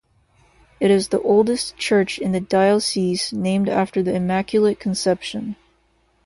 It is the oldest church in the diocese named after the Immaculate Conception.